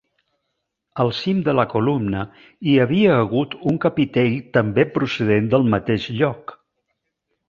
Al cim de la columna hi havia hagut un capitell també procedent del mateix lloc.